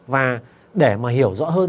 và để mà hiểu rõ hơn